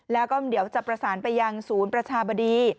แล้วก็เดี๋ยวจะประสานไปยังศูนย์ประชาบดี